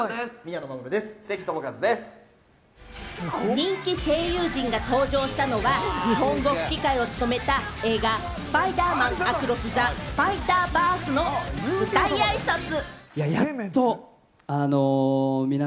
人気声優陣が登場したのは日本語吹き替えを務めた映画『スパイダーマン：アクロス・ザ・スパイダーバース』の舞台あいさつ。